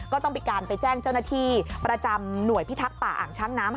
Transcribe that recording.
ก็ต้องมีการไปแจ้งเจ้าหน้าที่ประจำหน่วยพิทักษ์ป่าอ่างช้างน้ำ